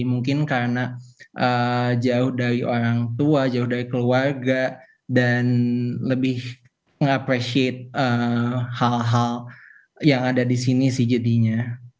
mungkin karena jauh dari orang tua jauh dari keluarga dan lebih ngepresi hal hal yang ada di sini sih jadinya